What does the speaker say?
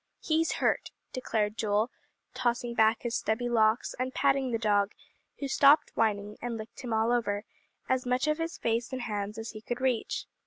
"He's hurt," declared Joel, tossing back his stubby locks, and patting the dog, who stopped whining, and licked him all over, as much of his face and hands as he could reach.